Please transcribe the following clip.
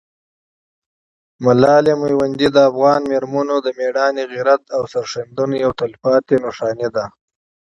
ملالۍ میوندۍ د افغان مېرمنو د مېړانې، غیرت او سرښندنې یو تلپاتې سمبول ده.